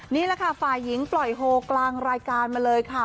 นี่แหละค่ะฝ่ายหญิงปล่อยโฮกลางรายการมาเลยค่ะ